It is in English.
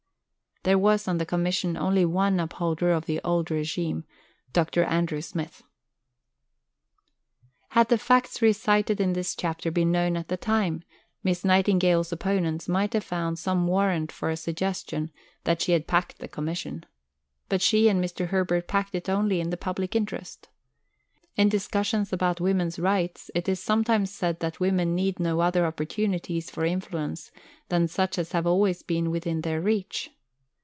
There was on the Commission only one upholder of the old régime, Dr. Andrew Smith. Stanmore, vol. ii. pp. 119 122. Had the facts recited in this chapter been known at the time, Miss Nightingale's opponents might have found some warrant for a suggestion that she had packed the Commission. But she and Mr. Herbert packed it only in the public interest. In discussions about women's rights it is sometimes said that women need no other opportunities for influence than such as have always been within their reach.